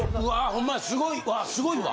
ほんまやすごいわあすごいわ。